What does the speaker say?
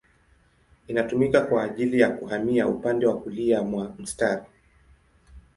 Inatumika kwa ajili ya kuhamia upande wa kulia mwa mstari.